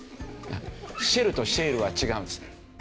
「シェル」と「シェール」は違うんですね。